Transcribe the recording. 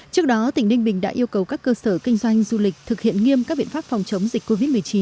trước đó tỉnh ninh bình đã yêu cầu các cơ sở kinh doanh du lịch thực hiện nghiêm các biện pháp phòng chống dịch covid một mươi chín